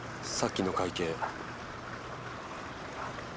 さっきの会計。